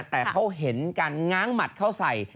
แต่เขาเห็นการงางค่าวใส่